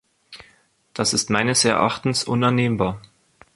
Das ist meines Erachtens unannehmbar.